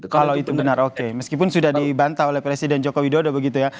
kalau itu benar oke meskipun sudah dibantah oleh presiden joko widodo begitu ya